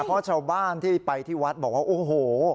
เพราะชาวบ้านที่ไปที่วัดบอกว่าโอ้โห